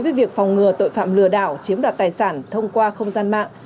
với việc phòng ngừa tội phạm lừa đảo chiếm đoạt tài sản thông qua không gian mạng